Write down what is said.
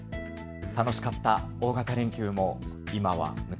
楽しかった大型連休も、今は昔。